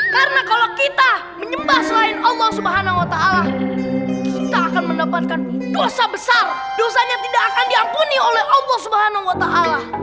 karena kalau kita menyembah allah subhanahu wa ta'ala kita akan mendapatkan dosa besar dosanya tidak akan diampuni oleh allah subhanahu wa ta'ala